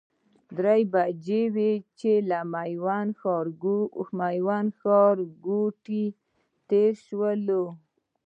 درې بجې وې چې له میوند ښارګوټي تېر شولو.